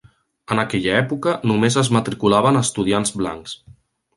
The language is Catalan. En aquella època només es matriculaven estudiants blancs.